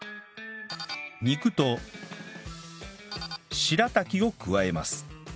肉と白滝を加えます